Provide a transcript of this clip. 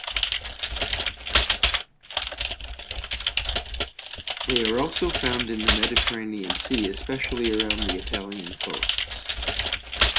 They are also found in the Mediterranean Sea especially around the Italian coasts.